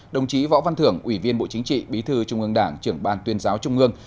đồng chí võ văn thưởng ủy viên bộ chính trị bí thư trung ương đảng trưởng ban tuyên giáo trung ương